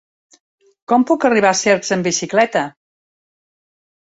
Com puc arribar a Cercs amb bicicleta?